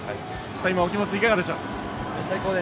今、お気持ちいかがでしょう？